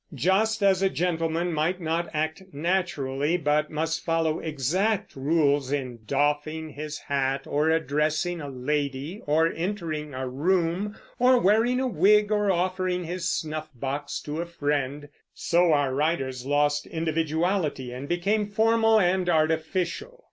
Just as a gentleman might not act naturally, but must follow exact rules in doffing his hat, or addressing a lady, or entering a room, or wearing a wig, or offering his snuffbox to a friend, so our writers lost individuality and became formal and artificial.